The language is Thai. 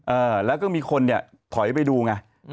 อืมแล้วก็มีคนเนี้ยถอยไปดูไงอืม